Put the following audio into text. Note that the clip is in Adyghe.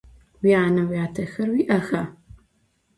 Vuyane - vuyatexer vui'exa?